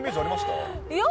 いや。